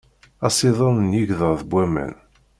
Asiḍen n yigḍaḍ n waman.